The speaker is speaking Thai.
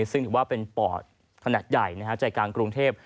ซึ่งถือว่าเป็นปอดขนาดใหญ่ใจกลางกรุงเทพ